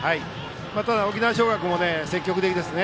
ただ沖縄尚学も積極的ですね。